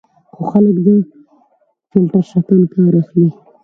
خو خلک له فیلټر شکن کار اخلي.